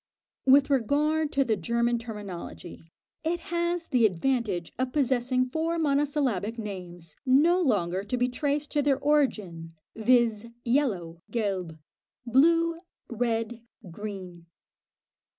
With regard to the German terminology, it has the advantage of possessing four monosyllabic names no longer to be traced to their origin, viz., yellow (Gelb), blue, red, green.